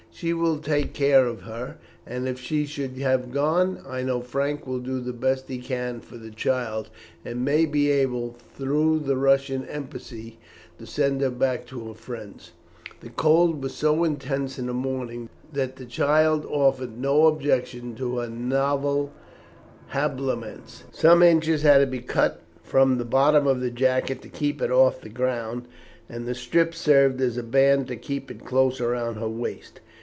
She will take care of her, and if she should have gone, I know Frank will do the best he can for the child, and may be able, through the Russian embassy, to send her back to her friends." The cold was so intense in the morning that the child offered no objection to her novel habiliments. Some inches had to be cut from the bottom of the jacket to keep it off the ground, and the strip served as a band to keep it close round her waist.